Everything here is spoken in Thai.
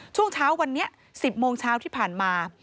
ช่วงเช้าวันนี้๑๐โมงเช้าที่ผ่านมา